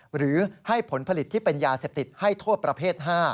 หรือให้ผลผลิตที่เป็นยาเสพติดให้โทษประเภท๕